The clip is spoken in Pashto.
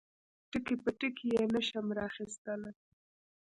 ټکي په ټکي یې نشم را اخیستلای.